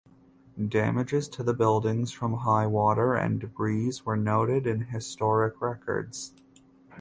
Damages to the buildings from high water and debris were noted in historic records.